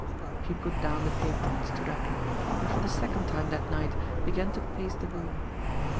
He put down the paper, and stood up and for the second time that night began to pace the room.